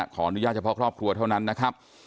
ขออนุญาตเฉพาะครอบครัวเท่านั้นนะครับ